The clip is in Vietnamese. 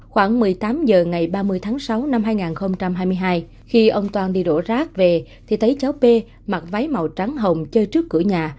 khoảng một mươi tám h ngày ba mươi tháng sáu năm hai nghìn hai mươi hai khi ông toan đi đổ rác về thì thấy cháu p mặc váy màu trắng hồng chơi trước cửa nhà